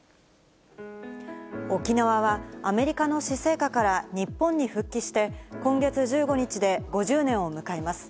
沖縄は、アメリカの施政下から日本に復帰して、今月１５日で５０年を迎えます。